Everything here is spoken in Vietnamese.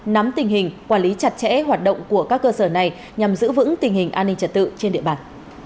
nắm tình hình quản lý chặt chẽ hoạt động của các cơ sở này nhằm giữ vững tình hình an ninh trật tự trên địa bàn